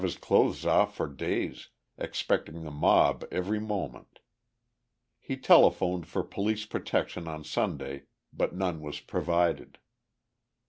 President Bowen did not have his clothes off for days, expecting the mob every moment. He telephoned for police protection on Sunday, but none was provided.